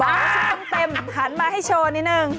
บางรถช่องเต็มพันมาให้โชว์นิดหนึ่ง